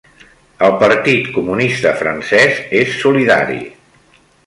El Partit Comunista francès és solidari